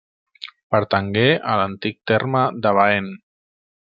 Pertangué a l'antic terme de Baén.